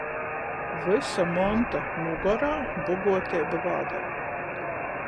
Vysa monta mugorā – boguoteiba vādarā.